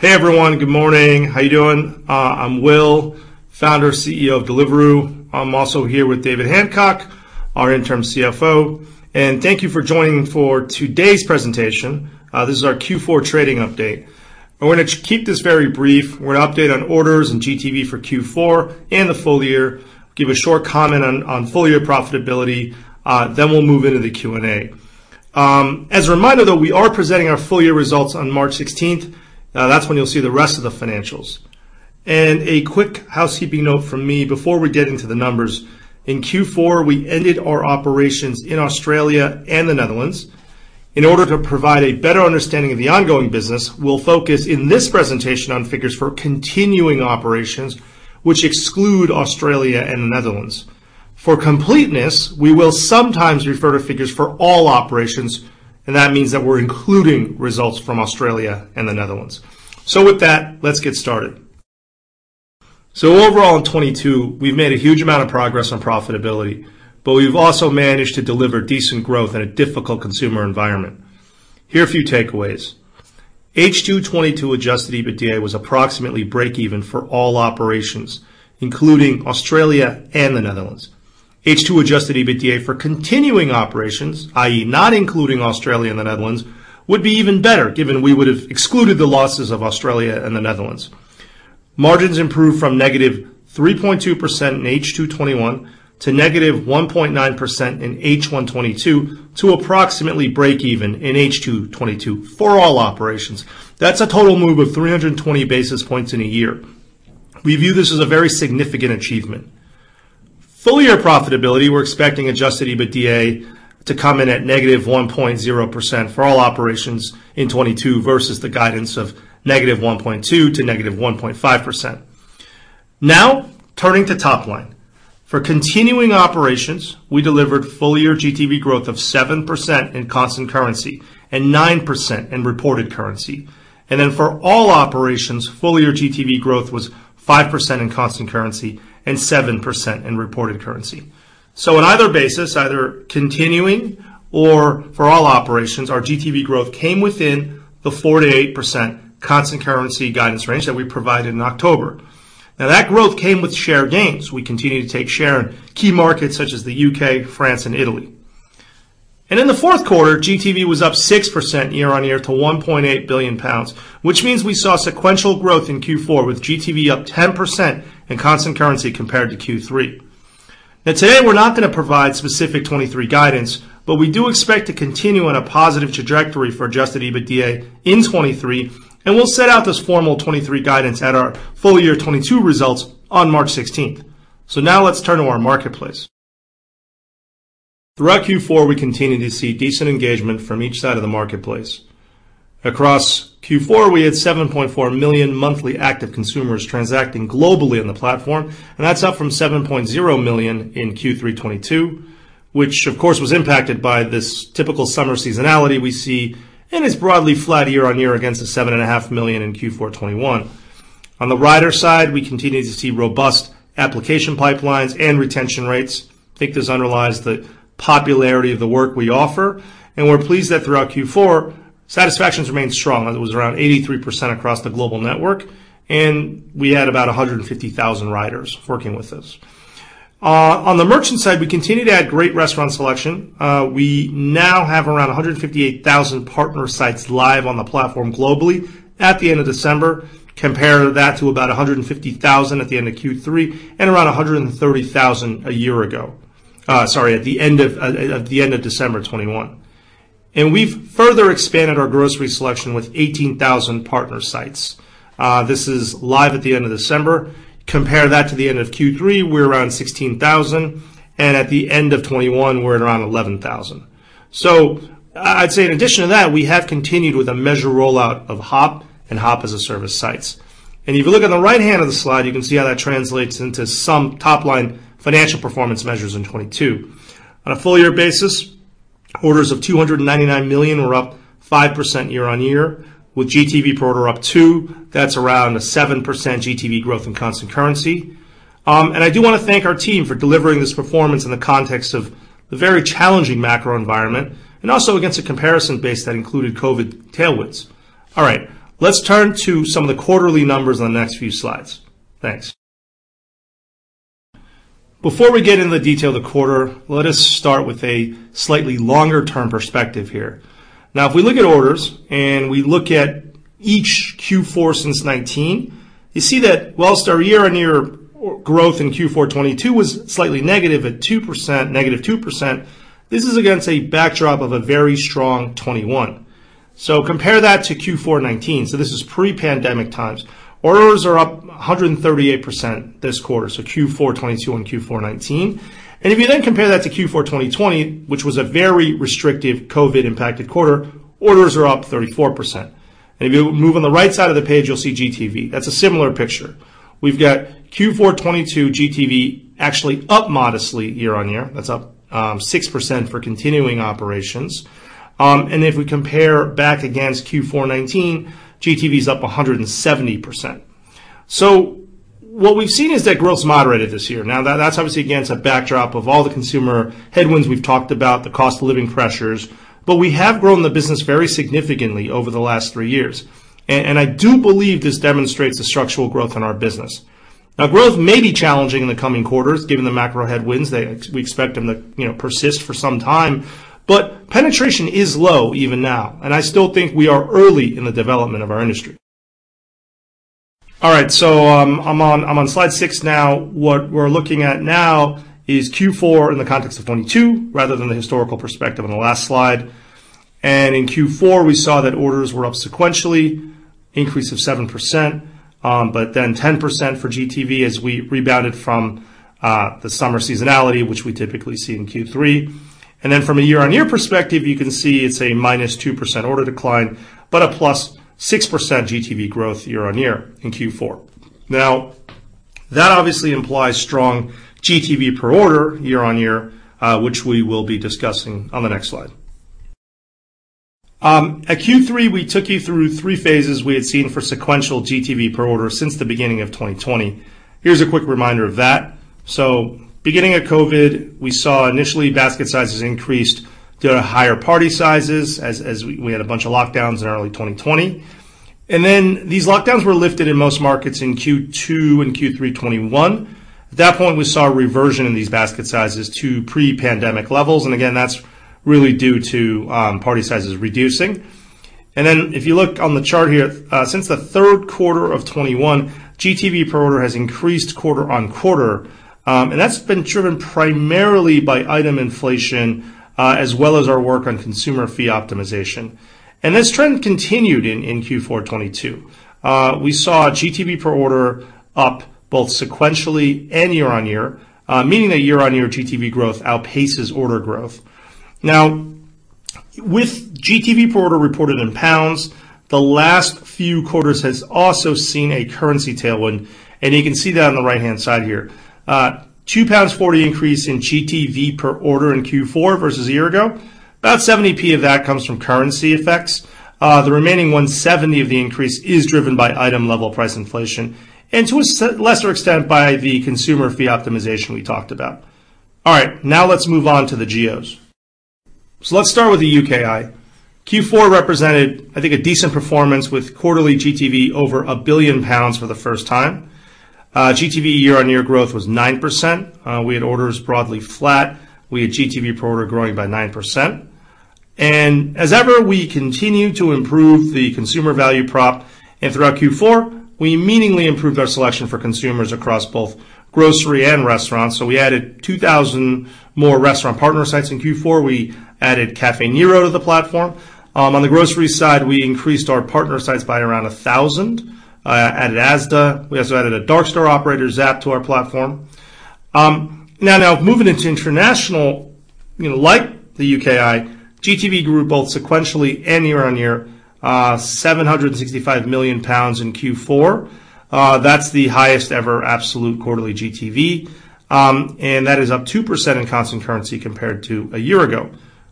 Hey everyone. Good morning. How you doing? I'm Will, founder and CEO of Deliveroo. I'm also here with David Hancock, our interim CFO. Thank you for joining for today's presentation. This is our Q4 trading update. We're gonna keep this very brief. We're gonna update on orders and GTV for Q4 and the full year, give a short comment on full year profitability. We'll move into the Q&A. As a reminder, though, we are presenting our full year results on March 16th. That's when you'll see the rest of the financials. A quick housekeeping note from me before we get into the numbers. In Q4, we ended our operations in Australia and the Netherlands. In order to provide a better understanding of the ongoing business, we'll focus in this presentation on figures for continuing operations which exclude Australia and the Netherlands. For completeness, we will sometimes refer to figures for all operations, and that means that we're including results from Australia and the Netherlands. With that, let's get started. Overall in 2022, we've made a huge amount of progress on profitability, but we've also managed to deliver decent growth in a difficult consumer environment. Here are a few takeaways. H2 2022 Adjusted EBITDA was approximately break even for all operations, including Australia and the Netherlands. H2 Adjusted EBITDA for continuing operations, i.e., not including Australia and the Netherlands, would be even better given we would have excluded the losses of Australia and the Netherlands. Margins improved from -3.2% in H2 2021 to -1.9% in H1 2022 to approximately break even in H2 2022 for all operations. That's a total move of 320 basis points in a year. We view this as a very significant achievement. Full year profitability, we're expecting Adjusted EBITDA to come in at -1.0% for all operations in 2022 versus the guidance of -1.2% to -1.5%. Turning to top line. For continuing operations, we delivered full year GTV growth of 7% in constant currency and 9% in reported currency. For all operations, full year GTV growth was 5% in constant currency and 7% in reported currency. On either basis, either continuing or for all operations, our GTV growth came within the 4%-8% constant currency guidance range that we provided in October. That growth came with share gains. We continue to take share in key markets such as the UK, France and Italy. In the fourth quarter, GTV was up 6% year-on-year to 1.8 billion pounds, which means we saw sequential growth in Q4 with GTV up 10% in constant currency compared to Q3. Today, we're not going to provide specific 2023 guidance, but we do expect to continue on a positive trajectory for Adjusted EBITDA in 2023, and we'll set out this formal 2023 guidance at our full year 2022 results on March 16th. Now let's turn to our marketplace. Throughout Q4, we continued to see decent engagement from each side of the marketplace. Across Q4, we had 7.4 million monthly active consumers transacting globally on the platform, and that's up from 7.0 million in Q3 '2022, which of course, was impacted by this typical summer seasonality we see and is broadly flat year-on-year against the 7.5 million in Q4 '2021. On the rider side, we continue to see robust application pipelines and retention rates. I think this underlines the popularity of the work we offer, and we're pleased that throughout Q4, satisfaction has remained strong, as it was around 83% across the global network, and we had about 150,000 riders working with us. On the merchant side, we continue to add great restaurant selection. We now have around 158,000 partner sites live on the platform globally at the end of December. Compare that to about 150,000 at the end of Q3 and around 130,000 a year ago. Sorry, at the end of December 2021. We've further expanded our grocery selection with 18,000 partner sites. This is live at the end of December. Compare that to the end of Q3, we're around 16,000, and at the end of 2021, we're at around 11,000. I'd say in addition to that, we have continued with a measured rollout of Hop and Hop as a Service sites. If you look on the right hand of the slide, you can see how that translates into some top-line financial performance measures in 2022. On a full year basis, orders of 299 million were up 5% year-on-year with GTV per order up 2%. That's around a 7% GTV growth in constant currency. I do wanna thank our team for delivering this performance in the context of the very challenging macro environment and also against a comparison base that included COVID tailwinds. All right. Let's turn to some of the quarterly numbers on the next few slides. Thanks. Before we get into the detail of the quarter, let us start with a slightly longer term perspective here. If we look at orders and we look at each Q4 since 2019, you see that whilst our year-on-year growth in Q4 2022 was slightly negative at 2%, negative 2%, this is against a backdrop of a very strong 2021. Compare that to Q4 2019. This is pre-pandemic times. Orders are up 138% this quarter, so Q4 2022 on Q4 2019. If you then compare that to Q4 2020, which was a very restrictive COVID impacted quarter, orders are up 34%. If you move on the right side of the page, you'll see GTV. That's a similar picture. We've got Q4 2022 GTV actually up modestly year-on-year. That's up 6% for continuing operations. If we compare back against Q4 2019, GTV is up 170%. What we've seen is that growth's moderated this year. Now that's obviously, again, it's a backdrop of all the consumer headwinds we've talked about, the cost of living pressures, but we have grown the business very significantly over the last three years. I do believe this demonstrates the structural growth in our business. Now, growth may be challenging in the coming quarters, given the macro headwinds. We expect them to, you know, persist for some time. Penetration is low even now, and I still think we are early in the development of our industry. All right, I'm on slide six now. What we're looking at now is Q4 in the context of 2022, rather than the historical perspective on the last slide. In Q4, we saw that orders were up sequentially, increase of 7%, 10% for GTV as we rebounded from the summer seasonality, which we typically see in Q3. From a year-on-year perspective, you can see it's a -2% order decline, but a +6% GTV growth year-on-year in Q4. That obviously implies strong GTV per order year-on-year, which we will be discussing on the next slide. At Q3, we took you through three phases we had seen for sequential GTV per order since the beginning of 2020. Here's a quick reminder of that. Beginning of COVID, we saw initially basket sizes increased to higher party sizes as we had a bunch of lockdowns in early 2020. These lockdowns were lifted in most markets in Q2 and Q3 2021. At that point, we saw a reversion in these basket sizes to pre-pandemic levels, and again, that's really due to party sizes reducing. If you look on the chart here, since the third quarter of 2021, GTV per order has increased quarter on quarter, and that's been driven primarily by item inflation, as well as our work on consumer fee optimization. This trend continued in Q4 2022. We saw GTV per order up both sequentially and year-on-year, meaning that year-on-year GTV growth outpaces order growth. With GTV per order reported in pounds, the last few quarters has also seen a currency tailwind, and you can see that on the right-hand side here. 2.40 pounds increase in GTV per order in Q4 versus a year ago. About 0.70 of that comes from currency effects. The remaining 1.70 of the increase is driven by item level price inflation, and to a lesser extent by the consumer fee optimization we talked about. All right, now let's move on to the geos. Let's start with the UKI. Q4 represented, I think, a decent performance with quarterly GTV over 1 billion pounds for the first time. GTV year-on-year growth was 9%. We had orders broadly flat. We had GTV per order growing by 9%. As ever, we continued to improve the consumer value prop. Throughout Q4, we meaningfully improved our selection for consumers across both grocery and restaurants. We added 2,000 more restaurant partner sites in Q4. We added Caffè Nero to the platform. On the grocery side, we increased our partner sites by around 1,000. Added Asda. We also added a dark store operator, Zapp, to our platform. Now moving into international, you know, like the UKI, GTV grew both sequentially and year-on-year, 765 million pounds in Q4. That's the highest ever absolute quarterly GTV. That is up 2% in constant currency compared to a year ago.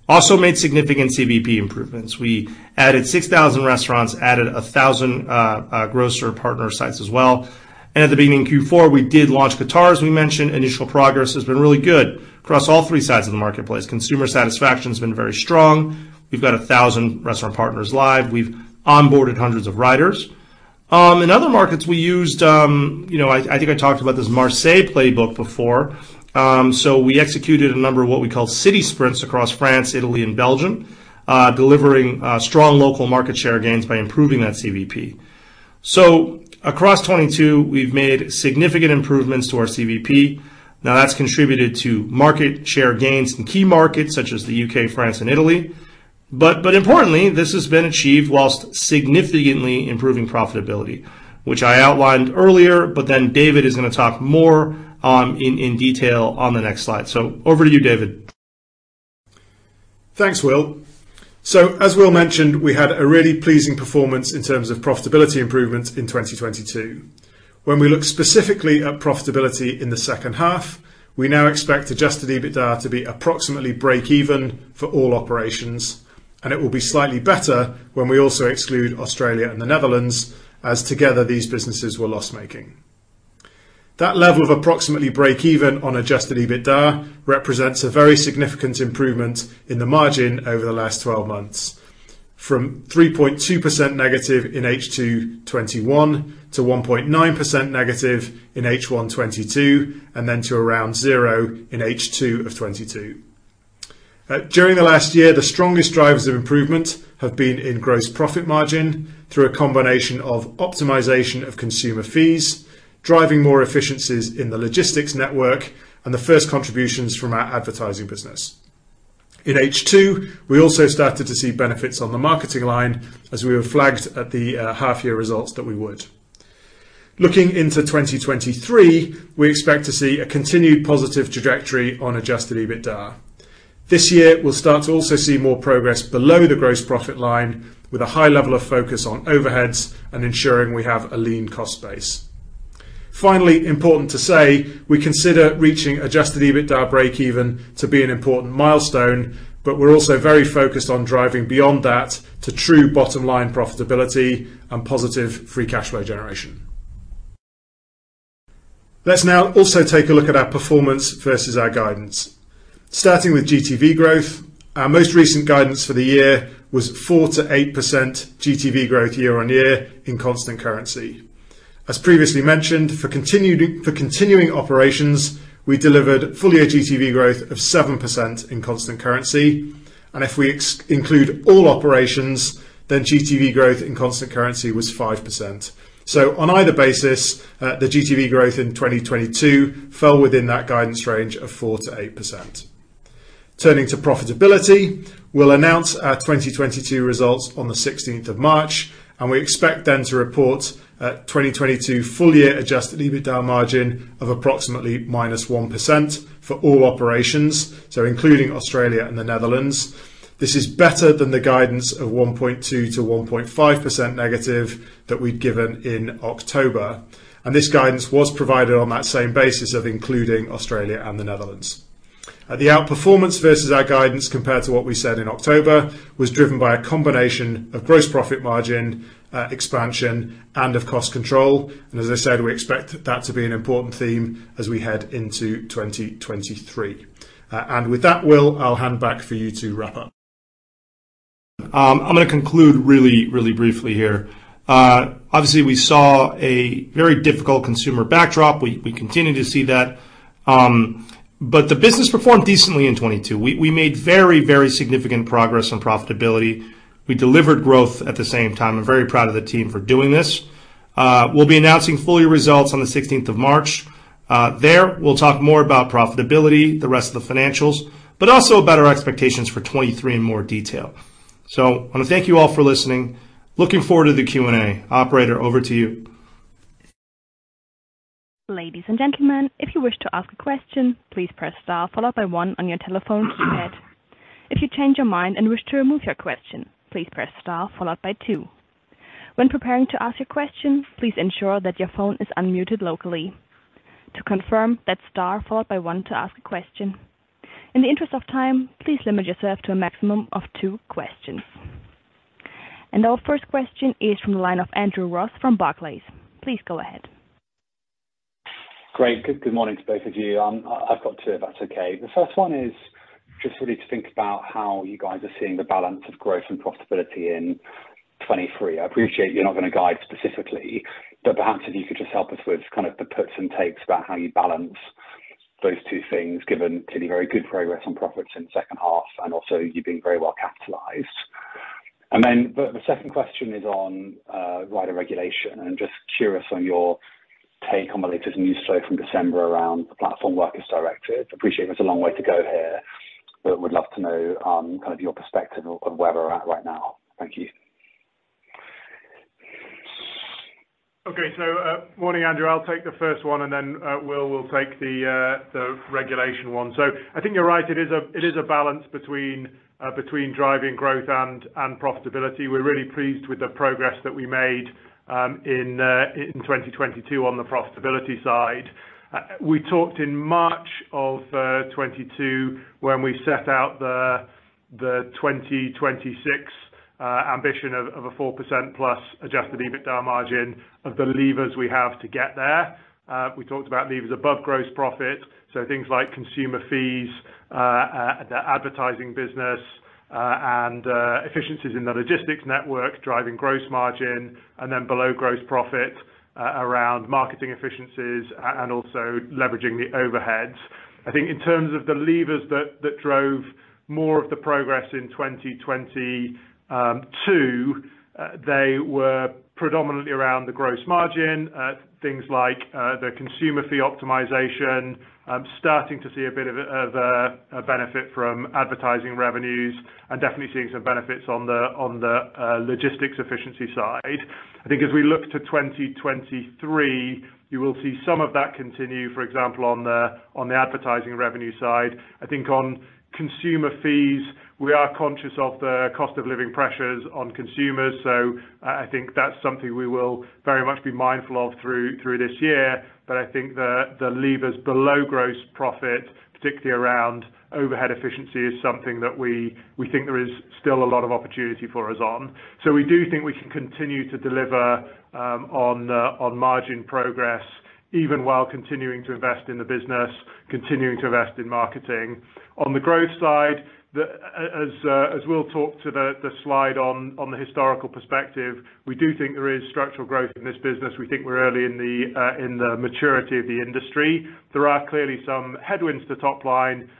Also made significant CVP improvements. We added 6,000 restaurants, added 1,000 grocer partner sites as well. At the beginning of Q4, we did launch Qatar, as we mentioned. Initial progress has been really good across all three sides of the marketplace. Consumer satisfaction has been very strong. We've got 1,000 restaurant partners live. We've onboarded hundreds of riders. In other markets, we used, you know, I think I talked about this Marseille playbook before. We executed a number of what we call city sprints across France, Italy, and Belgium, delivering strong local market share gains by improving that CVP. Across 2022, we've made significant improvements to our CVP. Now, that's contributed to market share gains in key markets such as the UK, France, and Italy. Importantly, this has been achieved whilst significantly improving profitability, which I outlined earlier, but then David is gonna talk more in detail on the next slide. Over to you, David. Thanks, Will. As Will mentioned, we had a really pleasing performance in terms of profitability improvement in 2022. When we look specifically at profitability in the second half, we now expect Adjusted EBITDA to be approximately break even for all operations. It will be slightly better when we also exclude Australia and the Netherlands, as together these businesses were loss-making. That level of approximately break even on Adjusted EBITDA represents a very significant improvement in the margin over the last 12 months from 3.2% negative in H2 2021 to 1.9% negative in H1 2022 then to around 0 in H2 of 2022. During the last year, the strongest drivers of improvement have been in gross profit margin through a combination of optimization of consumer fees, driving more efficiencies in the logistics network, and the first contributions from our advertising business. In H2, we also started to see benefits on the marketing line as we were flagged at the half year results that we would. Looking into 2023, we expect to see a continued positive trajectory on Adjusted EBITDA. This year, we'll start to also see more progress below the gross profit line with a high level of focus on overheads and ensuring we have a lean cost base. Important to say, we consider reaching Adjusted EBITDA breakeven to be an important milestone, but we're also very focused on driving beyond that to true bottom-line profitability and positive free cash flow generation. Let's now also take a look at our performance versus our guidance. Starting with GTV growth, our most recent guidance for the year was 4%-8% GTV growth year-on-year in constant currency. As previously mentioned, for continuing operations, we delivered full year GTV growth of 7% in constant currency. If we ex-include all operations, then GTV growth in constant currency was 5%. On either basis, the GTV growth in 2022 fell within that guidance range of 4%-8%. Turning to profitability, we'll announce our 2022 results on the 16th of March. We expect then to report a 2022 full year Adjusted EBITDA margin of approximately -1% for all operations, so including Australia and the Netherlands. This is better than the guidance of -1.2% to -1.5% that we'd given in October. This guidance was provided on that same basis of including Australia and the Netherlands. The outperformance versus our guidance compared to what we said in October was driven by a combination of gross profit margin expansion and of cost control. As I said, we expect that to be an important theme as we head into 2023. With that, Will, I'll hand back for you to wrap up. I'm gonna conclude really, really briefly here. Obviously, we saw a very difficult consumer backdrop. We continue to see that. The business performed decently in 2022. We made very, very significant progress on profitability. We delivered growth at the same time. I'm very proud of the team for doing this. We'll be announcing full year results on the 16th of March. There, we'll talk more about profitability, the rest of the financials, but also about our expectations for 2023 in more detail. I wanna thank you all for listening. Looking forward to the Q&A. Operator, over to you. Ladies and gentlemen, if you wish to ask a question, please press star followed by 1 on your telephone keypad. If you change your mind and wish to remove your question, please press star followed by two. When preparing to ask your question, please ensure that your phone is unmuted locally. To confirm, that's star followed by one to ask a question. In the interest of time, please limit yourself to a maximum of two questions. Our first question is from the line of Andrew Ross from Barclays. Please go ahead. Great. Good morning to both of you. I've got two if that's okay. The first one is just really to think about how you guys are seeing the balance of growth and profitability in 2023. I appreciate you're not gonna guide specifically, but perhaps if you could just help us with kind of the puts and takes about how you balance those two things given to the very good progress on profits in the second half, and also you being very well capitalized. The second question is on rider regulation, and just curious on your take on the latest news flow from December around the Platform Workers Directive. Appreciate there's a long way to go here, but would love to know kind of your perspective on where we're at right now. Thank you. Okay. Morning, Andrew. I'll take the first one, and then Will will take the regulation one. I think you're right. It is a balance between driving growth and profitability. We're really pleased with the progress that we made in 2022 on the profitability side. We talked in March of 2022 when we set out the 2026 ambition of a 4%+ Adjusted EBITDA margin of the levers we have to get there. We talked about levers above gross profit, so things like consumer fees, the advertising business, and efficiencies in the logistics network, driving gross margin, and then below gross profit around marketing efficiencies and also leveraging the overheads. I think in terms of the levers that drove more of the progress in 2022, they were predominantly around the Gross Margin, things like the consumer fee optimization, starting to see a bit of a benefit from advertising revenues and definitely seeing some benefits on the logistics efficiency side. I think as we look to 2023, you will see some of that continue, for example, on the advertising revenue side. I think on consumer fees, we are conscious of the cost of living pressures on consumers, so I think that's something we will very much be mindful of through this year. I think the levers below Gross Profit, particularly around overhead efficiency, is something that we think there is still a lot of opportunity for us on. We do think we can continue to deliver on margin progress, even while continuing to invest in the business, continuing to invest in marketing. On the growth side, as Will talk to the slide on the historical perspective, we do think there is structural growth in this business. We think we're early in the maturity of the industry. There are clearly some headwinds to top line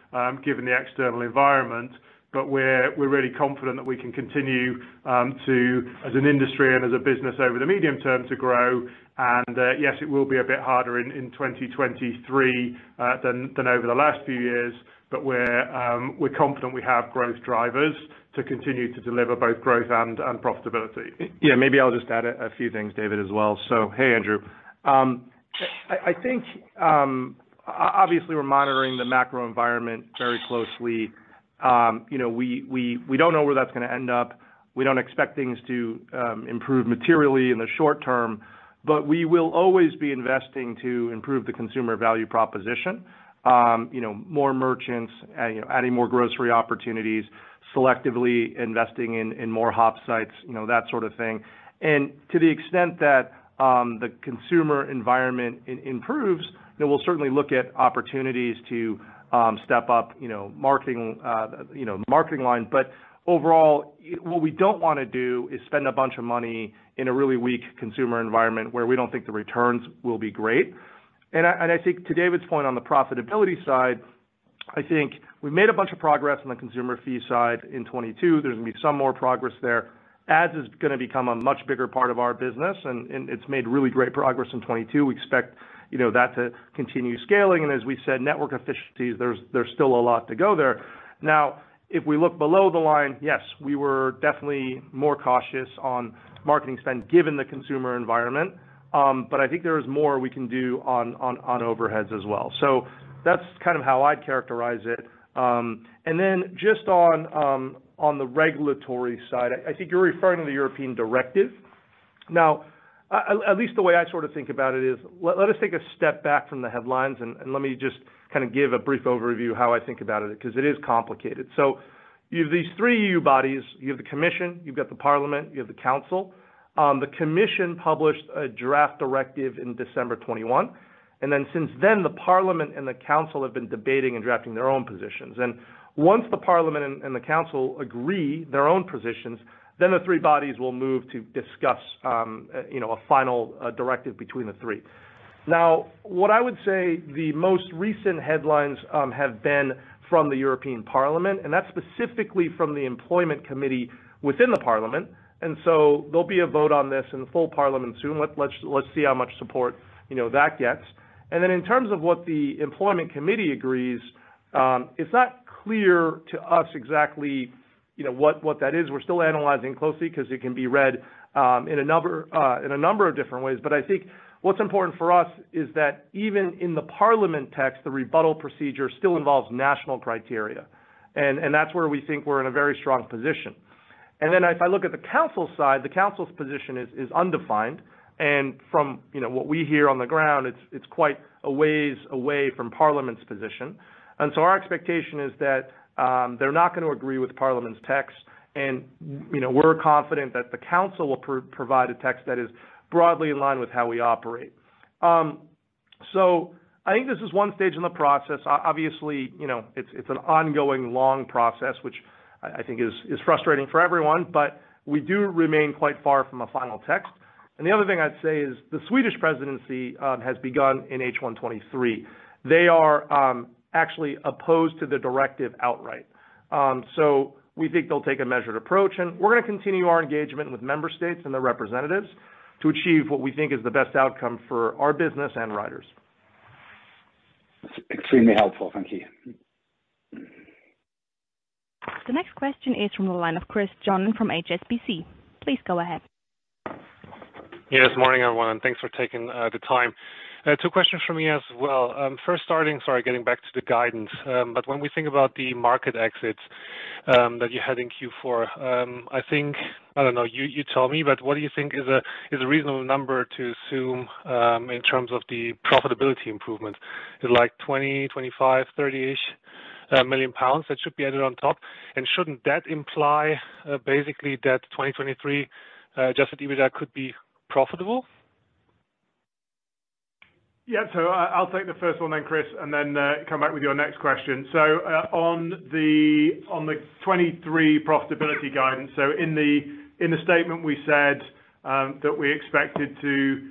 given the external environment, we're really confident that we can continue as an industry and as a business over the medium term, to grow. Yes, it will be a bit harder in 2023 than over the last few years, we're confident we have growth drivers to continue to deliver both growth and profitability. Yeah, maybe I'll just add a few things, David, as well. Hey, Andrew. I think obviously we're monitoring the macro environment very closely. You know, we, we don't know where that's gonna end up. We don't expect things to improve materially in the short term, but we will always be investing to improve the consumer value proposition. You know, more merchants, you know, adding more grocery opportunities, selectively investing in more hub sites, you know, that sort of thing. To the extent that the consumer environment improves, then we'll certainly look at opportunities to step up, you know, marketing, you know, marketing line. Overall, what we don't wanna do is spend a bunch of money in a really weak consumer environment where we don't think the returns will be great. I, and I think to David's point on the profitability side, I think we made a bunch of progress on the consumer fee side in 2022. There's gonna be some more progress there. Ads is gonna become a much bigger part of our business, and it's made really great progress in 2022. We expect, you know, that to continue scaling, and as we said, network efficiencies, there's still a lot to go there. If we look below the line, yes, we were definitely more cautious on marketing spend given the consumer environment. I think there is more we can do on overheads as well. That's kind of how I'd characterize it. Just on the regulatory side, I think you're referring to the European directive. At least the way I sort of think about it is, let us take a step back from the headlines and let me just kind of give a brief overview how I think about it, because it is complicated. You've these three EU bodies. You have the Commission, you've got the Parliament, you have the Council. The Commission published a draft directive in December 2021, since then, the Parliament and the Council have been debating and drafting their own positions. Once the Parliament and the Council agree their own positions, the three bodies will move to discuss, you know, a final directive between the three. What I would say the most recent headlines have been from the European Parliament, and that's specifically from the Employment Committee within the Parliament. There'll be a vote on this in the full Parliament soon. Let's see how much support, you know, that gets. In terms of what the Employment Committee agrees, it's not clear to us exactly, you know, what that is. We're still analyzing closely 'cause it can be read in a number of different ways. I think what's important for us is that even in the Parliament text, the rebuttal procedure still involves national criteria. That's where we think we're in a very strong position. If I look at the Council side, the Council's position is undefined. From, you know, what we hear on the ground, it's quite a ways away from Parliament's position. Our expectation is that they're not gonna agree with Parliament's text, and, you know, we're confident that the Council will provide a text that is broadly in line with how we operate. So I think this is one stage in the process. Obviously, you know, it's an ongoing long process, which I think is frustrating for everyone, but we do remain quite far from a final text. The other thing I'd say is the Swedish Presidency has begun in H1 2023. They are actually opposed to the Directive outright. So we think they'll take a measured approach, and we're gonna continue our engagement with member states and their representatives to achieve what we think is the best outcome for our business and riders. It's extremely helpful. Thank you. The next question is from the line of Christopher Johnen from HSBC. Please go ahead. Yes. Morning, everyone, and thanks for taking the time. Two questions from me as well. First, sorry, getting back to the guidance. When we think about the market exits that you had in Q4, I think... I don't know. You tell me, but what do you think is a reasonable number to assume in terms of the profitability improvement? Is it like 20 million pounds, 25 million, GBP 30-ish million that should be added on top? Shouldn't that imply basically that 2023 Adjusted EBITDA could be profitable? I'll take the first one then, Chris, and then come back with your next question. On the 2023 profitability guidance. In the statement we said that we expected to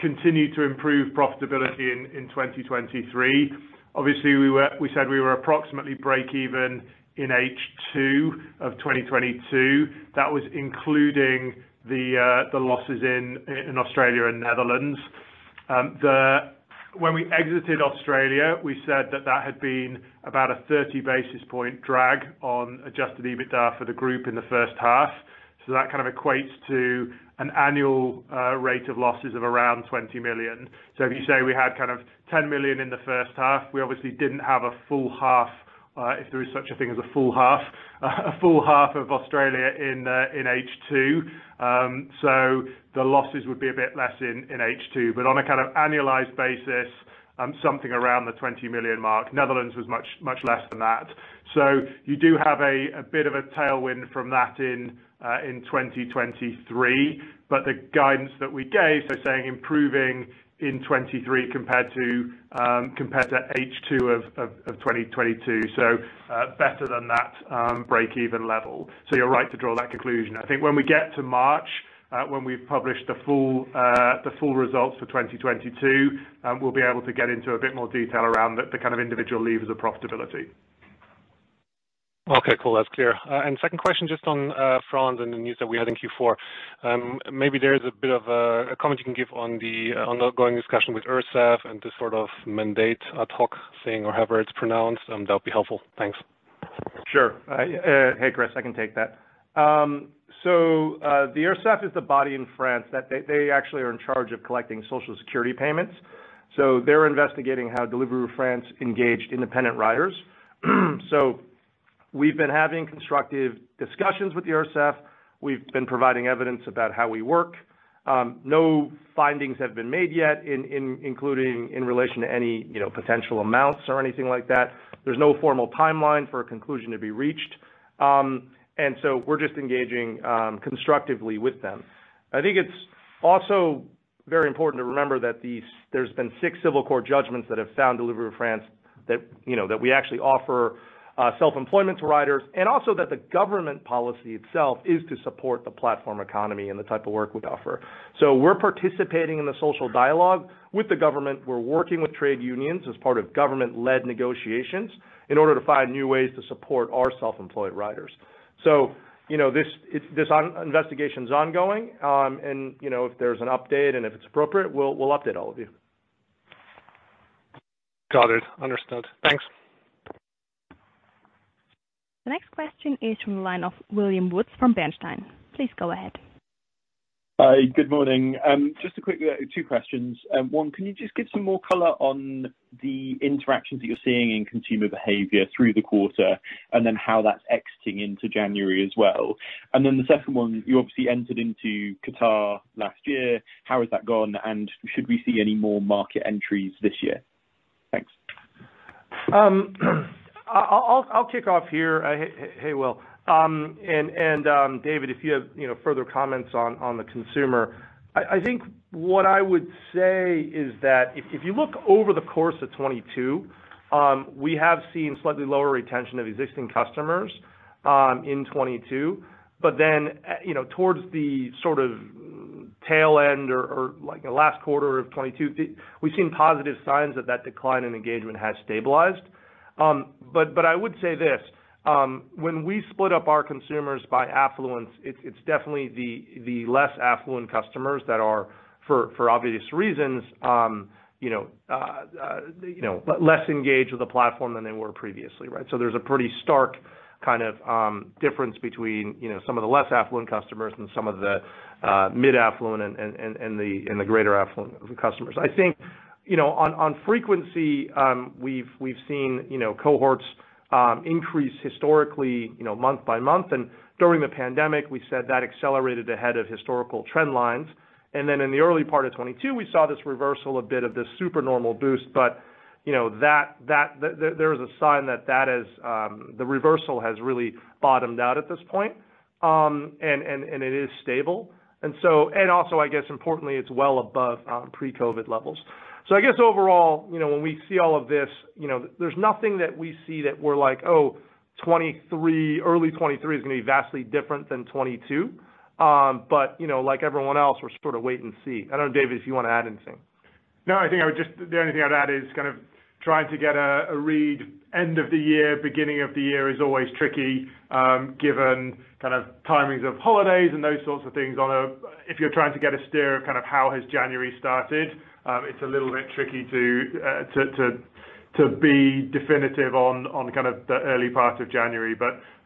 continue to improve profitability in 2023. Obviously, we said we were approximately break even in H2 of 2022. That was including the losses in Australia and Netherlands. When we exited Australia, we said that that had been about a 30 basis point drag on Adjusted EBITDA for the group in the first half. That kind of equates to an annual rate of losses of around 20 million. If you say we had kind of 10 million in the first half, we obviously didn't have a full half, if there is such a thing as a full half, a full half of Australia in H2. The losses would be a bit less in H2. On a kind of annualized basis, something around the 20 million mark. Netherlands was much, much less than that. You do have a bit of a tailwind from that in 2023. The guidance that we gave, saying improving in 2023 compared to H2 of 2022, so better than that breakeven level. You're right to draw that conclusion. I think when we get to March, when we've published the full, the full results for 2022, we'll be able to get into a bit more detail around the kind of individual levers of profitability. Okay, cool. That's clear. Second question, just on France and the news that we had in Q4. Maybe there is a bit of a comment you can give on the ongoing discussion with URSSAF and the sort of mandate ad hoc thing or however it's pronounced, that would be helpful. Thanks. Sure. Hey, Chris, I can take that. The URSSAF is the body in France that they actually are in charge of collecting social security payments. They're investigating how Deliveroo France engaged independent riders. We've been having constructive discussions with the URSSAF. We've been providing evidence about how we work. No findings have been made yet including in relation to any, you know, potential amounts or anything like that. There's no formal timeline for a conclusion to be reached. We're just engaging constructively with them. I think it's also very important to remember that there's been six civil court judgments that have found Deliveroo France that, you know, that we actually offer self-employment to riders, and also that the government policy itself is to support the platform economy and the type of work we offer. We're participating in the social dialogue with the government. We're working with trade unions as part of government-led negotiations in order to find new ways to support our self-employed riders. You know, this investigation is ongoing, and, you know, if there's an update and if it's appropriate, we'll update all of you. Got it. Understood. Thanks. The next question is from the line of William Wood from Bernstein. Please go ahead. Hi, good morning. Just a quick two questions. one, can you just give some more color on the interactions that you're seeing in consumer behavior through the quarter, how that's exiting into January as well? The second one, you obviously entered into Qatar last year. How has that gone, and should we see any more market entries this year? Thanks. I'll kick off here. Hey, Will, and David, if you have, you know, further comments on the consumer. I think what I would say is that if you look over the course of 2022, we have seen slightly lower retention of existing customers, in 2022. You know, towards the sort of tail end or like the last quarter of 2022, we've seen positive signs that that decline in engagement has stabilized. I would say this, when we split up our consumers by affluence, it's definitely the less affluent customers that are, for obvious reasons, you know, less engaged with the platform than they were previously, right? There's a pretty stark kind of, difference between, you know, some of the less affluent customers and some of the, mid-affluent and, and the, and the greater affluent customers. I think, you know, on frequency, we've seen, you know, cohorts, increase historically, you know, month by month. During the pandemic, we said that accelerated ahead of historical trend lines. Then in the early part of 2022, we saw this reversal a bit of this super normal boost. You know, that, there is a sign that is, the reversal has really bottomed out at this point. And it is stable. Also I guess importantly, it's well above, pre-COVID levels. I guess overall, you know, when we see all of this, you know, there's nothing that we see that we're like, oh, 2023, early 2023 is going to be vastly different than 2022. You know, like everyone else, we're sort of wait and see. I don't know, David, if you wanna add anything. I think the only thing I'd add is kind of trying to get a read end of the year, beginning of the year is always tricky, given kind of timings of holidays and those sorts of things on a... If you're trying to get a steer of kind of how has January started, it's a little bit tricky to be definitive on kind of the early part of January.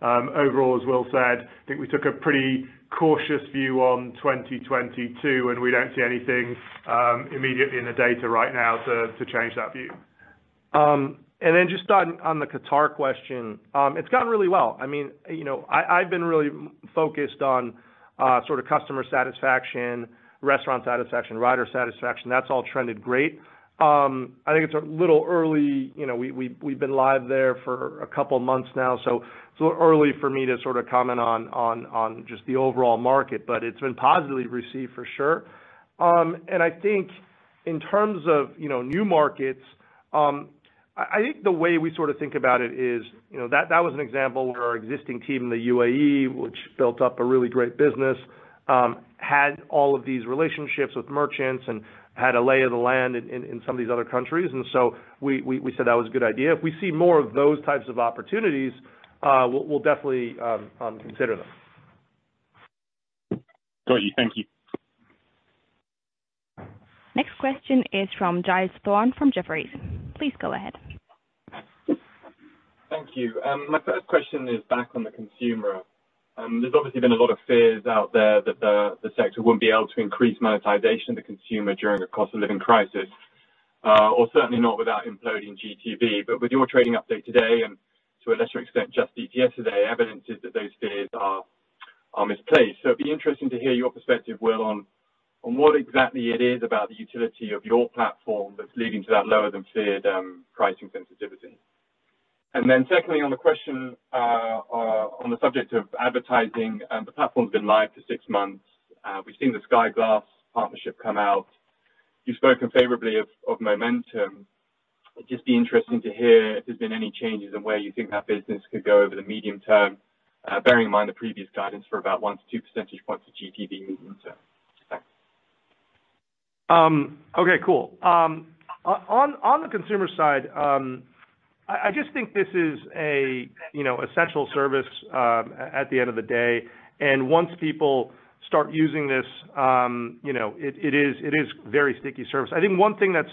Overall, as Will said, I think we took a pretty cautious view on 2022, and we don't see anything immediately in the data right now to change that view. Just on the Qatar question, it's gone really well. I mean, you know, I've been really focused on, sort of customer satisfaction, restaurant satisfaction, rider satisfaction, that's all trended great. I think it's a little early. You know, we've been live there for a couple months now, so it's a little early for me to sort of comment on just the overall market. It's been positively received for sure. I think in terms of, you know, new markets, I think the way we sort of think about it is, you know, that was an example where our existing team in the UAE, which built up a really great business, had all of these relationships with merchants and had a lay of the land in some of these other countries. We said that was a good idea. If we see more of those types of opportunities, we'll definitely consider them. Got you. Thank you. Next question is from Giles Thorne from Jefferies. Please go ahead. Thank you. My first question is back on the consumer. There's obviously been a lot of fears out there that the sector won't be able to increase monetization of the consumer during a cost of living crisis, or certainly not without imploding GTV. With your trading update today, and to a lesser extent, Just Eat yesterday, evidence is that those fears are misplaced. It'd be interesting to hear your perspective, Will, on what exactly it is about the utility of your platform that's leading to that lower than feared, pricing sensitivity. Then secondly, on the question, on the subject of advertising, the platform's been live for six months. We've seen the Sky Glass partnership come out. You've spoken favorably of momentum. It'd just be interesting to hear if there's been any changes in where you think that business could go over the medium term, bearing in mind the previous guidance for about one to two percentage points of GTV medium term. Thanks. Okay, cool. On the consumer side, I just think this is a, you know, essential service at the end of the day. Once people start using this, you know, it is very sticky service. I think one thing that's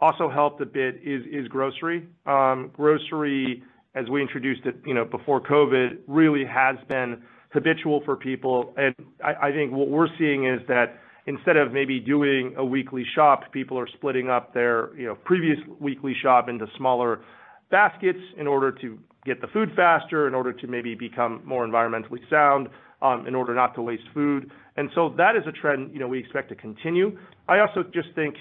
also helped a bit is grocery. Grocery, as we introduced it, you know, before COVID, really has been habitual for people. I think what we're seeing is that instead of maybe doing a weekly shop, people are splitting up their, you know, previous weekly shop into smaller baskets in order to get the food faster, in order to maybe become more environmentally sound, in order not to waste food. That is a trend, you know, we expect to continue. I also just think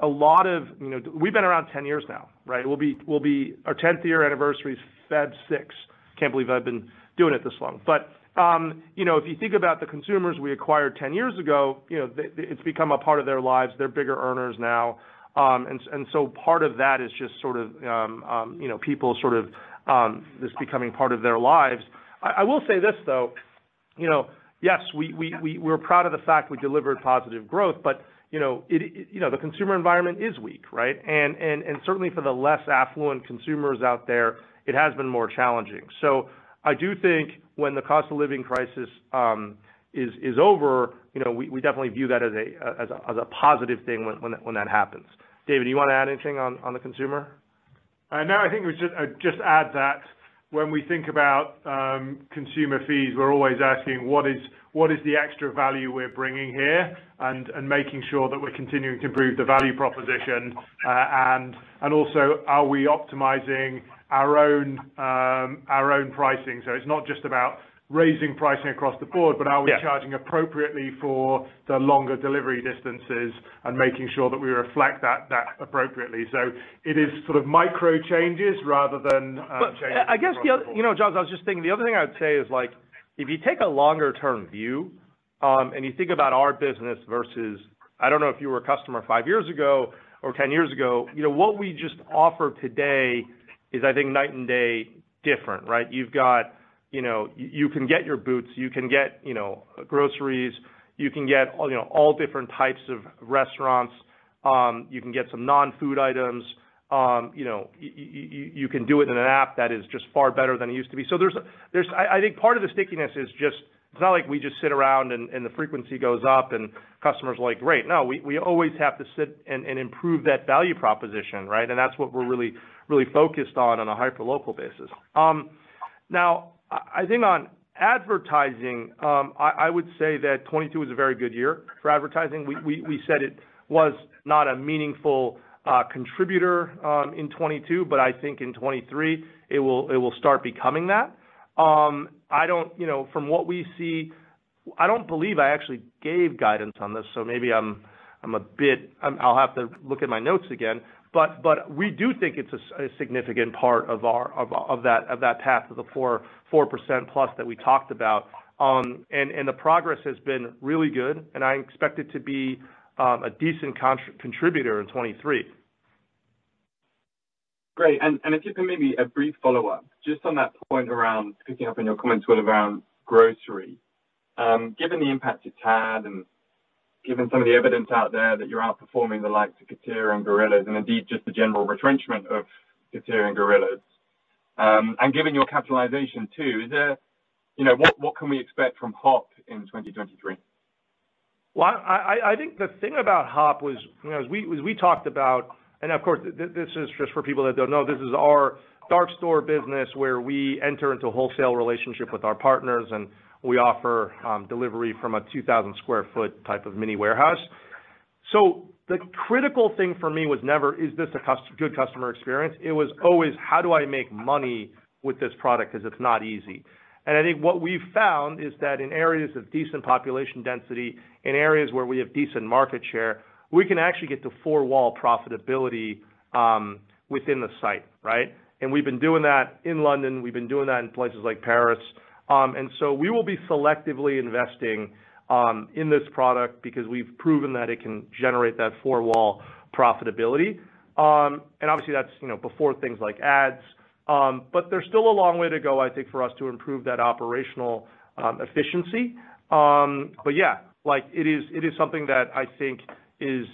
a lot of... You know, we've been around 10 years now, right? Our tenth-year anniversary is February 6th. Can't believe I've been doing it this long. You know, if you think about the consumers we acquired 10 years ago, you know, it's become a part of their lives. They're bigger earners now. So part of that is just sort of, you know, people sort of, this becoming part of their lives. I will say this, though, you know, yes, we, we're proud of the fact we delivered positive growth, but, you know, the consumer environment is weak, right? And certainly for the less affluent consumers out there, it has been more challenging. I do think when the cost of living crisis is over, you know, we definitely view that as a positive thing when that happens. David, do you want to add anything on the consumer? No. I think we should just add that when we think about consumer fees, we're always asking what is the extra value we're bringing here and making sure that we're continuing to improve the value proposition. Also, are we optimizing our own pricing? It's not just about raising pricing across the board. Yeah. Are we charging appropriately for the longer delivery distances and making sure that we reflect that appropriately. It is sort of micro changes rather than changes. You know, John, I was just thinking, the other thing I would say is, like, if you take a longer-term view, and you think about our business. I don't know if you were a customer five years ago or 10 years ago, you know, what we just offer today is, I think, night and day different, right? You've got, you know, you can get your boots, you can get, you know, groceries, you can get, you know, all different types of restaurants. You can get some non-food items. You know, you can do it in an app that is just far better than it used to be. There's... I think part of the stickiness is just, it's not like we just sit around and the frequency goes up and customers are like, "Great." No, we always have to sit and improve that value proposition, right? That's what we're really, really focused on on a hyperlocal basis. I think on advertising, I would say that 2022 was a very good year for advertising. We said it was not a meaningful contributor in 2022, but I think in 2023 it will start becoming that. I don't. You know, from what we see, I don't believe I actually gave guidance on this, so maybe I'm a bit. I'll have to look at my notes again. We do think it's a significant part of our, of that path to the 4% plus that we talked about. The progress has been really good, and I expect it to be a decent contributor in 2023. Great. Just maybe a brief follow-up just on that point around, picking up on your comments, sort of, around grocery. Given the impact it's had, and given some of the evidence out there that you're outperforming the likes of Getir and Gorillas and indeed just the general retrenchment of Getir and Gorillas, and given your capitalization too, You know, what can we expect from Hop in 2023? Well, I think the thing about Hop was, you know, as we talked about. Of course, this is just for people that don't know, this is our dark store business where we enter into a wholesale relationship with our partners and we offer delivery from a 2,000 sq ft type of mini warehouse. The critical thing for me was never, "Is this a good customer experience?" It was always, "How do I make money with this product 'cause it's not easy?" I think what we've found is that in areas of decent population density, in areas where we have decent market share, we can actually get to four-wall profitability within the site, right? We've been doing that in London. We've been doing that in places like Paris. We will be selectively investing in this product because we've proven that it can generate that 4-wall profitability. Obviously that's, you know, before things like ads. There's still a long way to go, I think, for us to improve that operational efficiency. Like, it is something that I think is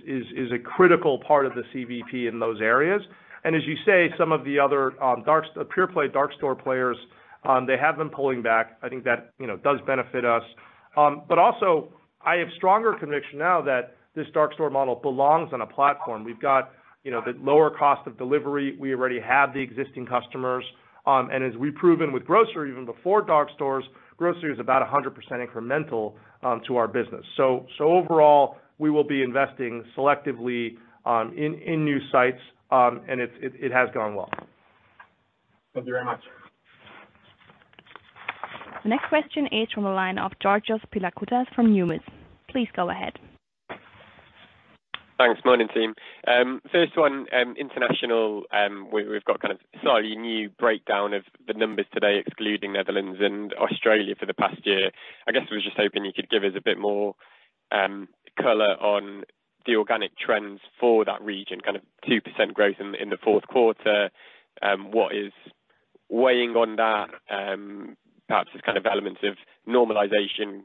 a critical part of the CVP in those areas. As you say, some of the other pure play dark store players, they have been pulling back. I think that, you know, does benefit us. Also, I have stronger conviction now that this dark store model belongs on a platform. We've got, you know, the lower cost of delivery. We already have the existing customers. As we've proven with grocery even before dark stores, grocery is about 100% incremental to our business. Overall, we will be investing selectively in new sites. It has gone well. Thank you very much. The next question is from the line of Georgios Pilakoutas from Numis. Please go ahead. Thanks. Morning, team. First one, international. We, we've got kind of slightly new breakdown of the numbers today, excluding Netherlands and Australia for the past year. I guess I was just hoping you could give us a bit more color on the organic trends for that region, kind of 2% growth in the fourth quarter. What is weighing on that, perhaps as kind of elements of normalization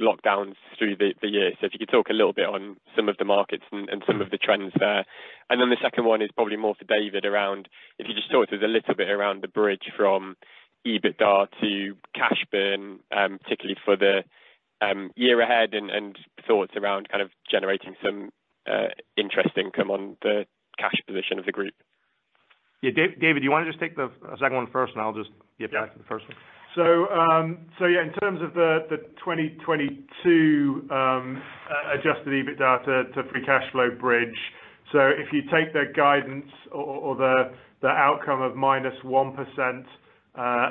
lockdowns through the year. If you could talk a little bit on some of the markets and some of the trends there. The second one is probably more for David around if you just talk to us a little bit around the bridge from EBITDA to cash burn, particularly for the year ahead and thoughts around kind of generating some interest income on the cash position of the group. Yeah. David, do you wanna just take the second one first, and I'll just get back to the first one? In terms of the 2022 Adjusted EBITDA to free cash flow bridge, if you take the guidance or the outcome of -1%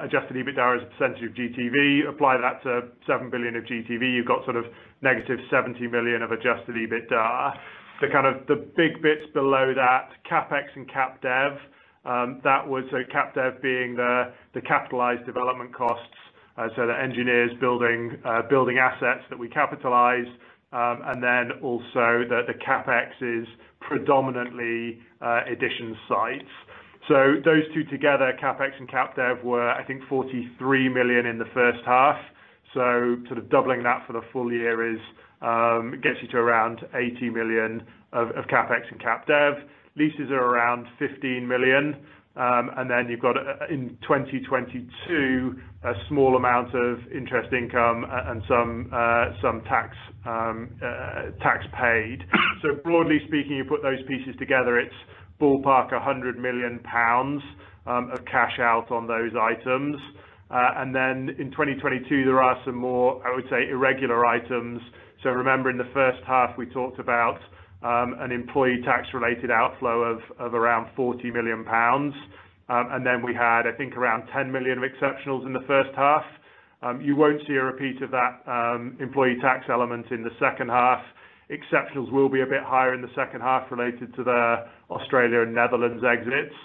Adjusted EBITDAs as a percentage of GTV. Apply that to 7 billion of GTV, you've got sort of negative 70 million of Adjusted EBITDA. The big bits below that, CapEx and capitalized development. Capitalized development being the capitalized development costs, the engineers building assets that we capitalize, and then also the CapEx is predominantly Editions sites. Those two together, CapEx and capitalized development, were, I think 43 million in the first half. Sort of doubling that for the full year gets you to around 80 million of CapEx and capitalized development. Leases are around 15 million. You've got in 2022, a small amount of interest income and some tax paid. Broadly speaking, you put those pieces together, it's ballpark 100 million pounds of cash out on those items. In 2022, there are some more, I would say, irregular items. Remember in the first half we talked about an employee tax related outflow of around 40 million pounds. We had, I think, around 10 million of exceptionals in the first half. You won't see a repeat of that employee tax element in the second half. Exceptionals will be a bit higher in the second half related to the Australia and Netherlands exits.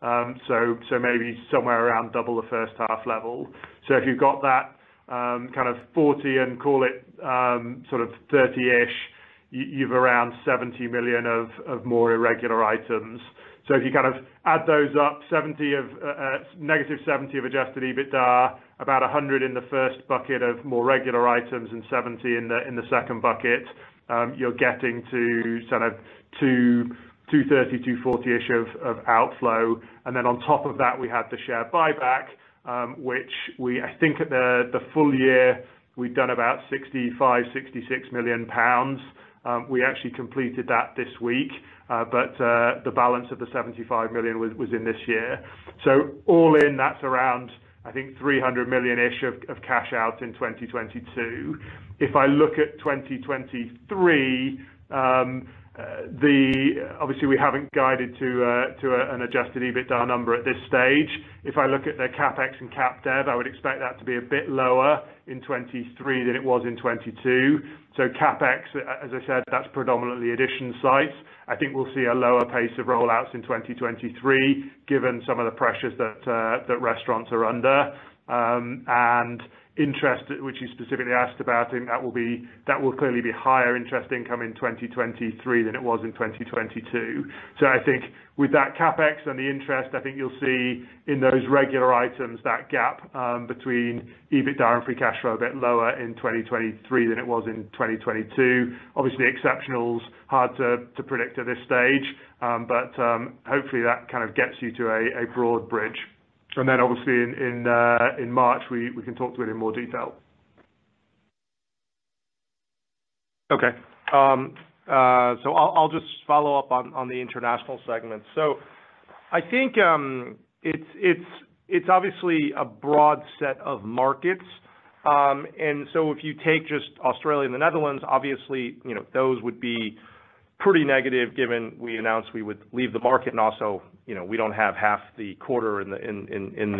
Maybe somewhere around double the first half level. If you've got that, kind of 40 and call it, sort of 30-ish, you've around 70 million of more irregular items. If you kind of add those up, 70 of negative 70 of Adjusted EBITDA, about 100 in the first bucket of more regular items and 70 in the second bucket, you're getting to sort of 230-240-ish of outflow. Then on top of that we have the share buyback, which I think at the full year we've done about 65 million-66 million pounds. We actually completed that this week, but the balance of the 75 million was in this year. All in, that's around, I think, 300 million-ish of cash out in 2022. If I look at 2023, the obviously we haven't guided to an Adjusted EBITDA number at this stage. If I look at the CapEx and capitalized development, I would expect that to be a bit lower in 2023 than it was in 2022. CapEx, as I said, that's predominantly Editions sites. I think we'll see a lower pace of rollouts in 2023 given some of the pressures that restaurants are under. Interest, which you specifically asked about, I think that will clearly be higher interest income in 2023 than it was in 2022. I think with that CapEx and the interest, I think you'll see in those regular items that gap between EBITDA and free cash flow a bit lower in 2023 than it was in 2022. Obviously exceptional's hard to predict at this stage. But hopefully that kind of gets you to a broad bridge. Obviously in March, we can talk through it in more detail. Okay. I'll just follow up on the international segment. I think it's obviously a broad set of markets. If you take just Australia and the Netherlands, obviously, you know, those would be pretty negative given we announced we would leave the market and also, you know, we don't have half the quarter in the, in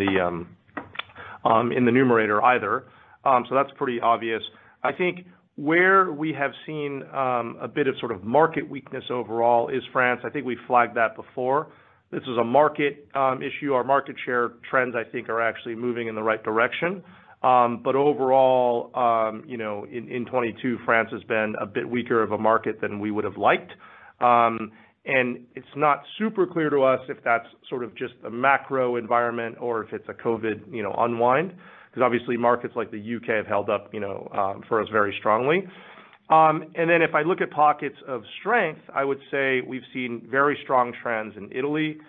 the numerator either. That's pretty obvious. I think where we have seen a bit of sort of market weakness overall is France. I think we flagged that before. This was a market issue. Our market share trends I think are actually moving in the right direction. Overall, you know, in 2022, France has been a bit weaker of a market than we would have liked. It's not super clear to us if that's sort of just the macro environment or if it's a COVID, you know, unwind, 'cause obviously markets like the UK have held up, you know, for us very strongly. If I look at pockets of strength, I would say we've seen very strong trends in Italy,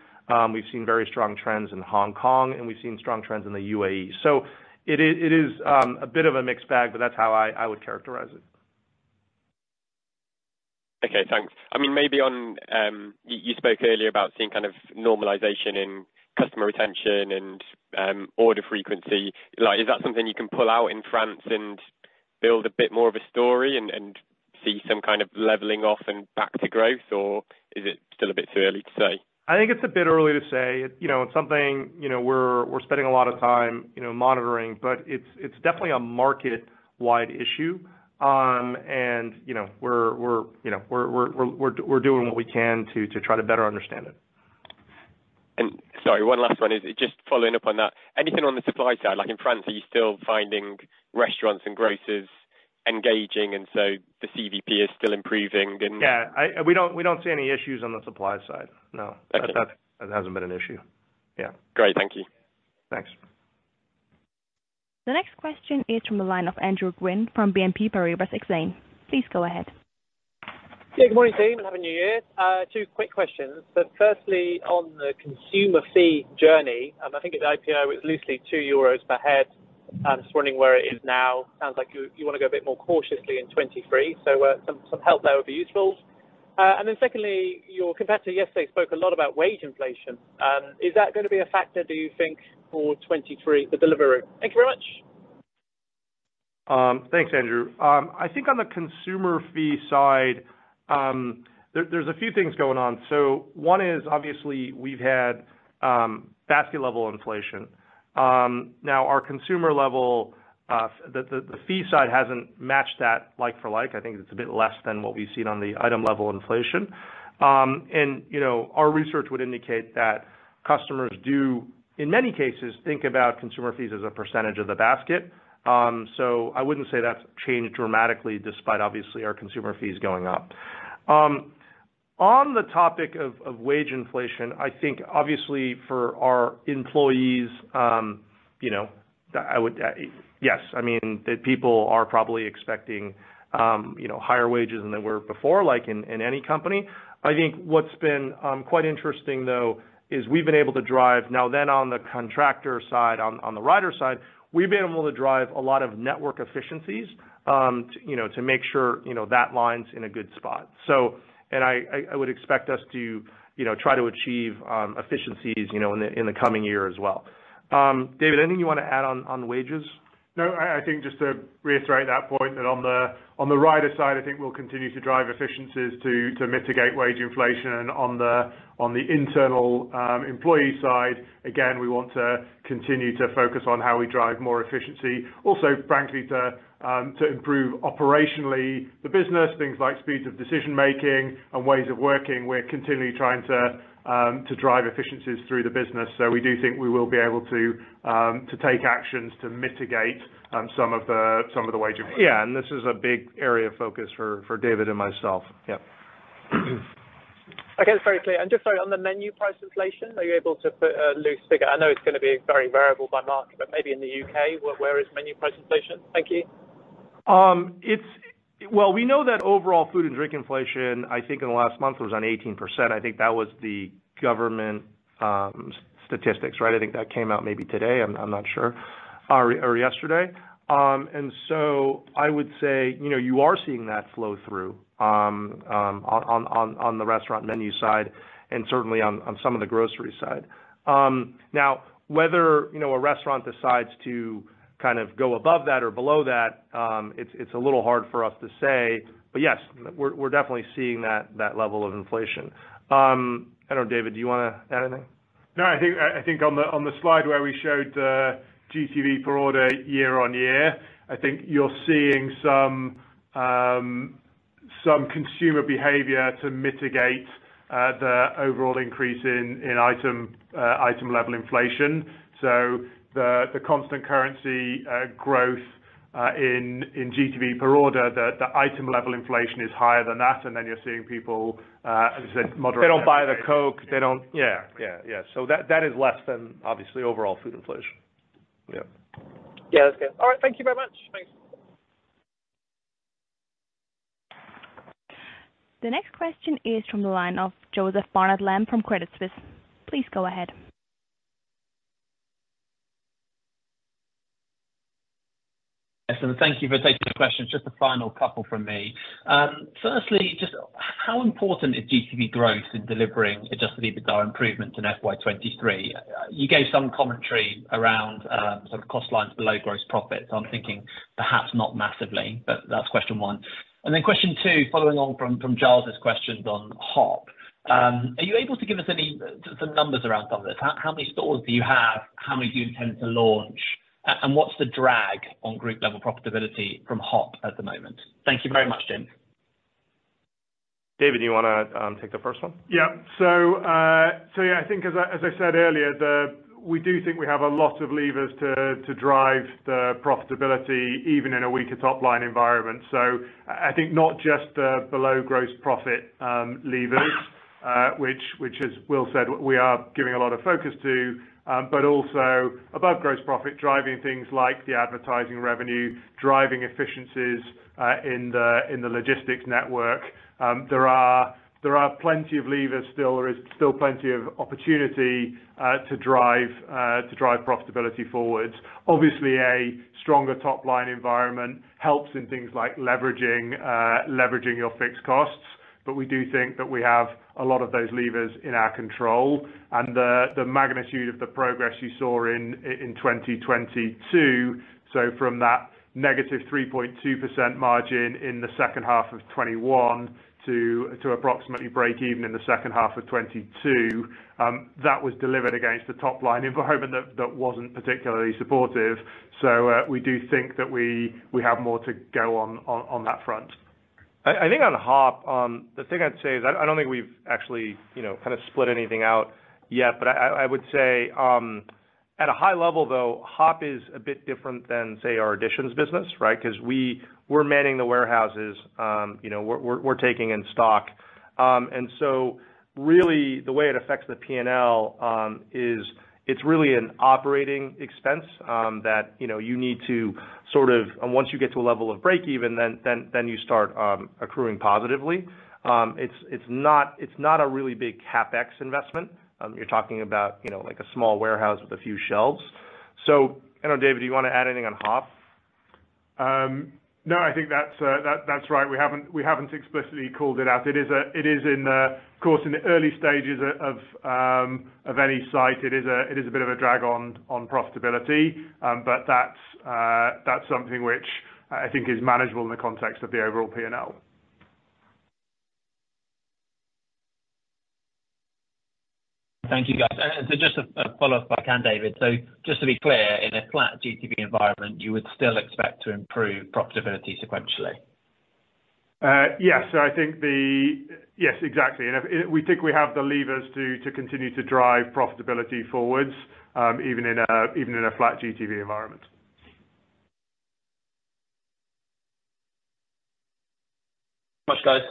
we've seen very strong trends in Hong Kong, and we've seen strong trends in the UAE. It is, it is, a bit of a mixed bag, but that's how I would characterize it. Okay, thanks. I mean, maybe on, you spoke earlier about seeing kind of normalization in customer retention and order frequency. Like is that something you can pull out in France and build a bit more of a story and see some kind of leveling off and back to growth, or is it still a bit too early to say? I think it's a bit early to say. You know, it's something, you know, we're spending a lot of time, you know, monitoring, but it's definitely a market-wide issue. You know, we're, you know, we're doing what we can to try to better understand it. Sorry, one last one is just following up on that. Anything on the supply side? Like in France, are you still finding restaurants and grocers engaging, and so the CVP is still improving? Yeah. We don't see any issues on the supply side. No. Okay. That hasn't been an issue. Yeah. Great. Thank you. Thanks. The next question is from the line of Andrew Gwynn from BNP Paribas Exane. Please go ahead. Yeah. Good morning, team, and happy New Year. Two quick questions. Firstly, on the consumer fee journey, I think at IPO it was loosely 2 euros per head. I'm just wondering where it is now. Sounds like you want to go a bit more cautiously in 2023. Some help there would be useful. Secondly, your competitor yesterday spoke a lot about wage inflation. Is that going to be a factor, do you think, for 2023 for Deliveroo? Thank you very much. Thanks, Andrew. I think on the consumer fee side, there's a few things going on. One is obviously we've had basket-level inflation. Now our consumer level, the fee side hasn't matched that like for like. I think it's a bit less than what we've seen on the item level inflation. You know, our research would indicate that customers do, in many cases, think about consumer fees as a percentage of the basket. I wouldn't say that's changed dramatically despite obviously our consumer fees going up. On the topic of wage inflation, I think obviously for our employees, you know, Yes, I mean, the people are probably expecting, you know, higher wages than they were before, like in any company. I think what's been, quite interesting though, is we've been able to drive now then on the contractor side, on the rider side, we've been able to drive a lot of network efficiencies, to, you know, to make sure, you know, that line's in a good spot. I would expect us to, you know, try to achieve efficiencies, you know, in the coming year as well. David, anything you wanna add on wages? No. I think just to reiterate that point, that on the rider side, I think we'll continue to drive efficiencies to mitigate wage inflation. On the internal employee side, again, we want to continue to focus on how we drive more efficiency. Also, frankly, to improve operationally the business, things like speed of decision making and ways of working. We're continually trying to drive efficiencies through the business. We do think we will be able to take actions to mitigate some of the wage increase. Yeah. This is a big area of focus for David and myself. Yep. Okay. That's very clear. Just sorry, on the menu price inflation, are you able to put a loose figure? I know it's gonna be very variable by market, but maybe in the UK, where is menu price inflation? Thank you. Well, we know that overall food and drink inflation, I think in the last month was on 18%. I think that was the government statistics, right? I think that came out maybe today, I'm not sure, or yesterday. I would say, you know, you are seeing that flow through on the restaurant menu side and certainly on some of the grocery side. Now, whether, you know, a restaurant decides to kind of go above that or below that, it's a little hard for us to say. Yes, we're definitely seeing that level of inflation. I don't know, David, do you wanna add anything? No. I think on the, on the slide where we showed GTV per order year-over-year, I think you're seeing some consumer behavior to mitigate the overall increase in item level inflation. The constant currency growth in GTV per order, the item level inflation is higher than that, and then you're seeing people, as I said, moderate. They don't buy the Coke. They don't... Yeah. Yeah. Yeah. That is less than obviously overall food inflation. Yeah. Yeah, that's good. All right. Thank you very much. Thanks. The next question is from the line of Joseph Barnet-Lamb from Credit Suisse. Please go ahead. Yes, thank you for taking the question. Just a final couple from me. Firstly, just how important is GTV growth in delivering Adjusted EBITDA improvement in FY 23? You gave some commentary around sort of cost lines below gross profit. I'm thinking perhaps not massively, but that's question one. Question two, following on from Charles's questions on Hop. Are you able to give us some numbers around some of this? How many stores do you have? How many do you intend to launch? And what's the drag on group level profitability from Hop at the moment? Thank you very much, Jim. David, do you wanna take the first one? I think as I said earlier, we do think we have a lot of levers to drive the profitability even in a weaker top line environment. I think not just the below gross profit levers, which as Will said, we are giving a lot of focus to, but also above gross profit, driving things like the advertising revenue, driving efficiencies in the logistics network. There are plenty of levers still. There is still plenty of opportunity to drive profitability forward. Obviously, a stronger top line environment helps in things like leveraging your fixed costs, but we do think that we have a lot of those levers in our control. The magnitude of the progress you saw in 2022, so from that -3.2% margin in the second half of 2021 to approximately break even in the second half of 2022, that was delivered against the top line environment that wasn't particularly supportive. We do think that we have more to go on that front. I think on Hop, the thing I'd say is I don't think we've actually, you know, kind of split anything out yet. I would say, at a high level, though, Hop is a bit different than, say, our Editions business, right? Cause we're manning the warehouses, you know, we're taking in stock. Really the way it affects the P&L is it's really an operating expense that, you know, you need to sort of. Once you get to a level of break even, then you start accruing positively. It's not a really big CapEx investment. You're talking about, you know, like a small warehouse with a few shelves. I don't know, David, do you wanna add anything on Hop? No, I think that's right. We haven't explicitly called it out. It is in the... Of course, in the early stages of any site, it is a bit of a drag on profitability. That's something which I think is manageable in the context of the overall P&L. Thank you, guys. Just a follow-up if I can, David. Just to be clear, in a flat GTV environment, you would still expect to improve profitability sequentially? Yes. I think the... Yes, exactly. We think we have the levers to continue to drive profitability forwards, even in a flat GTV environment. Much, guys.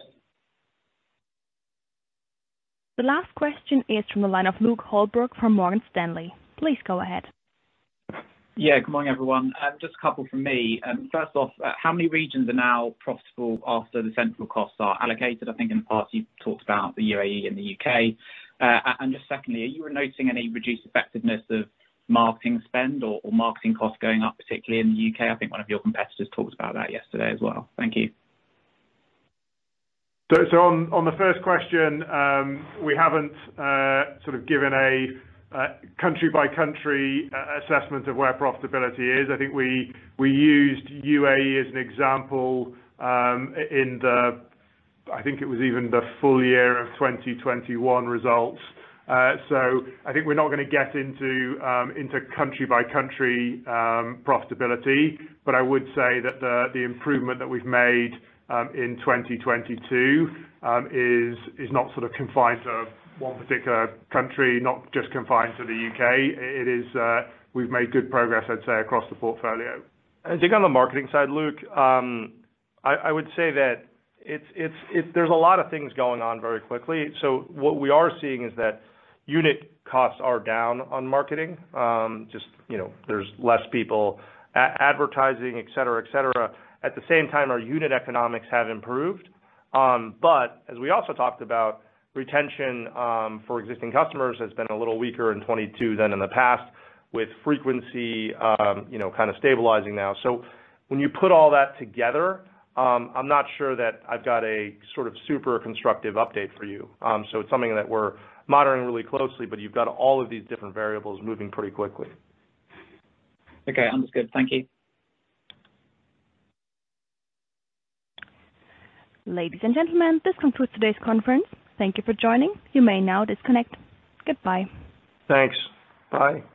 The last question is from the line of Luke Holbrook from Morgan Stanley. Please go ahead. Yeah. Good morning, everyone. Just a couple from me. First off, how many regions are now profitable after the central costs are allocated? I think in the past you talked about the UAE and the U.K. Just secondly, are you noting any reduced effectiveness of marketing spend or marketing costs going up, particularly in the U.K? I think one of your competitors talked about that yesterday as well. Thank you. On the first question, we haven't sort of given a country by country assessment of where profitability is. I think we used UAE as an example in the I think it was even the full year of 2021 results. I think we're not gonna get into country by country profitability. I would say that the improvement that we've made in 2022 is not sort of confined to one particular country, not just confined to the U.K. It is we've made good progress, I'd say, across the portfolio. I think on the marketing side, Luke, I would say that it's, There's a lot of things going on very quickly. What we are seeing is that unit costs are down on marketing, just, you know, there's less people advertising, et cetera, et cetera. At the same time, our unit economics have improved. As we also talked about, retention, for existing customers has been a little weaker in 2022 than in the past with frequency, you know, kind of stabilizing now. When you put all that together, I'm not sure that I've got a sort of super constructive update for you. It's something that we're monitoring really closely, but you've got all of these different variables moving pretty quickly. Okay. Sounds good. Thank you. Ladies and gentlemen, this concludes today's conference. Thank you for joining. You may now disconnect. Goodbye. Thanks. Bye.